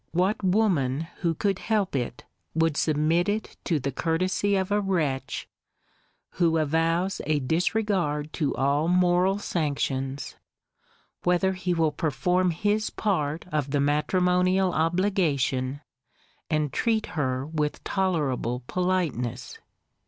What woman, who could help it, would submit it to the courtesy of a wretch, who avows a disregard to all moral sanctions, whether he will perform his part of the matrimonial obligation, and treat her with tolerable politeness?